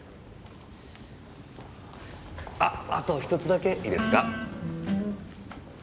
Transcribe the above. ああと１つだけいいですか？